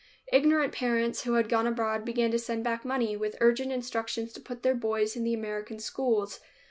Ignorant parents who had gone abroad began to send back money, with urgent instructions to put their boys in the American schools.